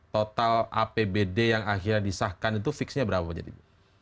total apbd yang akhirnya disahkan itu fixnya berapa jadi ibu